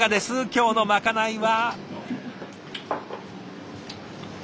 今日のまかないは。